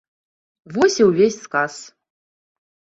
Вось і ўвесь сказ.